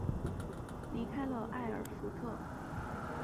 离开了艾尔福特。